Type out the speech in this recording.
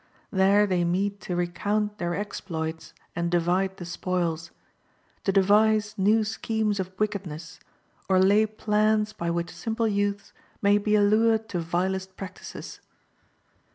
There they meet to recount their exploits and divide the spoils; to devise new schemes of wickedness, or lay plans by which simple youths may be allured to vilest practices.